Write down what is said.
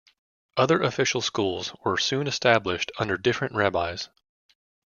Other official schools were soon established under different rabbis.